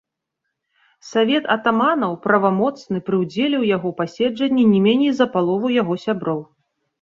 Савет атаманаў правамоцны пры ўдзеле ў яго пасяджэнні не меней за палову яго сяброў.